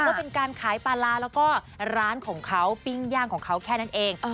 ก็เป็นการขายปลาร้าแล้วก็ร้านของเขาปิ้งย่างของเขาแค่นั้นเอง